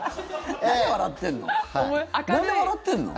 何笑ってんの？